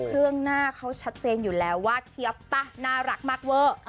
เรื่องหน้าเขาชัดเจนอยู่แล้วว่าเทียบน่ารักมากเวอร์